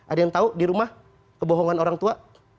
ada yang tahu di rumah kebohongan orang tua